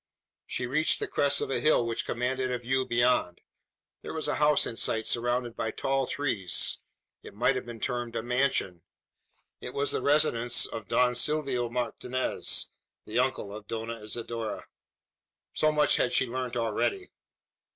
She reached the crest of a hill which commanded a view beyond. There was a house in sight surrounded by tall trees. It might have been termed a mansion. It was the residence of Don Silvio Martinez, the uncle of Dona Isidora. So much had she learnt already.